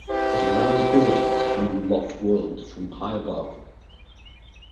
It allows visitors view Lotte World from high above.